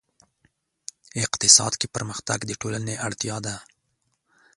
اقتصاد کې پرمختګ د ټولنې اړتیا ده.